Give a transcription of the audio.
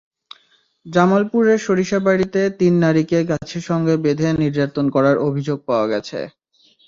জামালপুরের সরিষাবাড়ীতে তিন নারীকে গাছের সঙ্গে বেঁধে নির্যাতন করার অভিযোগ পাওয়া গেছে।